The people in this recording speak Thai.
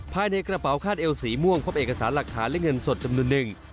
ภายในกระเป๋าคาดเอวสีม่วงพบเอกสารหลักฐานและเงินสดจำนวนหนึ่ง